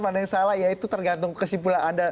mana yang salah yaitu tergantung kesimpulan anda